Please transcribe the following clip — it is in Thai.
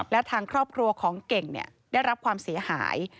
และทางครอบครัวของเก่งได้รับความเสียหาย